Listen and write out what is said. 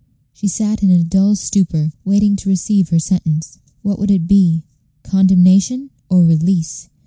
She sat in a dull stupor, waiting to receive her sentence. What would it be? Condemnation or release?